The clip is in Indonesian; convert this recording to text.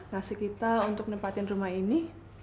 ngasih kita untuk nempatin rumah ini